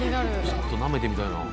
ちょっとなめてみたいな。